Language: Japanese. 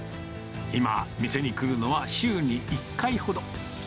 今、店に来るのは週に１回ほど。